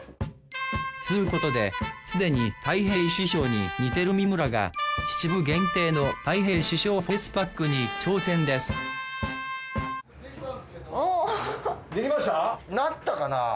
つうことですでにたい平師匠に似てる三村が秩父限定のたい平師匠フェイスパックに挑戦です出来ました？